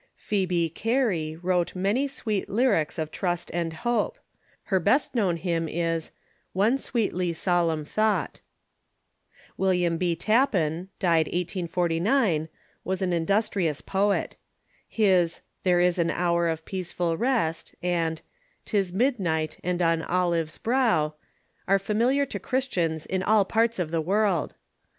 Pbcebe Gary wrote many sweet lyrics of trust and hope. Her best known hymn is "One sweetly solemn thought." William B. Tappan (d, 1849) was an industrious poet. His "There is an hour of i)caceful rest," and " 'Tis midnight, and on Olive's brow," are familiar to Christians in all parts of tbe world.